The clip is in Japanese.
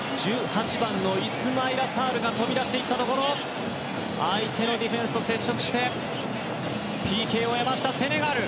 １８番のイスマイラ・サールが飛び出していったところ相手のディフェンスと接触してＰＫを得ましたセネガル。